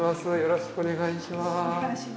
よろしくお願いします。